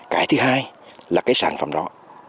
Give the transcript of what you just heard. cái thứ hai là cái sản phẩm đó